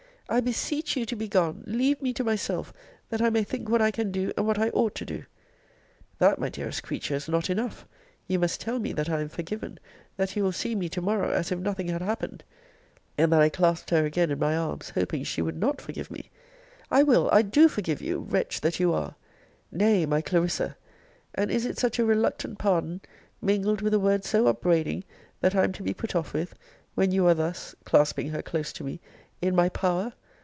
I beseech you to be gone! leave me to myself, that I may think what I can do, and what I ought to do. That, my dearest creature, is not enough. You must tell me that I am forgiven; that you will see me to morrow as if nothing had happened. And then I clasped her again in my arms, hoping she would not forgive me I will I do forgive you wretch that you are! Nay, my Clarissa! and is it such a reluctant pardon, mingled with a word so upbraiding, that I am to be put off with, when you are thus (clasping her close to me) in my power?